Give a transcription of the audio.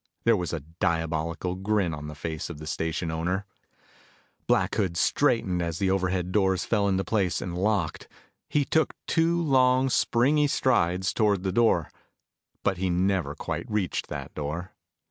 There was a diabolical grin on the face of the station owner. Black Hood straightened as the overhead doors fell into place and locked. He took two long, springy strides toward the door. But he never quite reached that door.